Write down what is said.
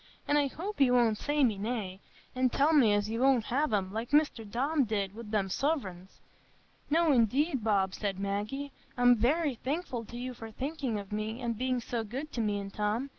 An' I hope you won't say me nay, an' tell me as you won't have 'em, like Mr Tom did wi' the suvreigns." "No, indeed, Bob," said Maggie, "I'm very thankful to you for thinking of me, and being so good to me and Tom.